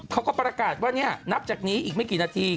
เขาก็ประกาศว่านับจากนี้อีกไม่กี่นาที